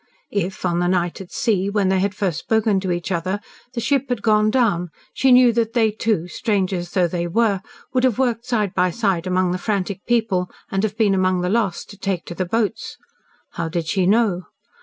If, on the night at sea, when they had first spoken to each other, the ship had gone down, she knew that they two, strangers though they were, would have worked side by side among the frantic people, and have been among the last to take to the boats. How did she know?